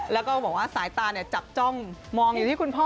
แล้วก็บอกว่าสายตาจับจ้องมองอยู่ที่คุณพ่อ